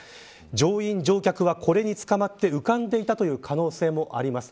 乗員乗客はこれにつかまって浮かんでいた可能性もあります。